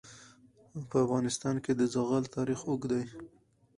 په افغانستان کې د زغال تاریخ اوږد دی.